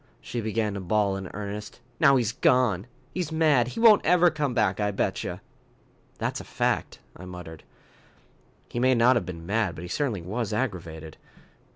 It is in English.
She began to bawl in earnest. "Now he's gone. He's mad. He won't ever come back, I betcha." "That's a fact," I muttered. "He may not have been mad, but he certainly was aggravated.